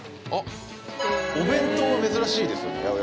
あっお弁当は珍しいですよね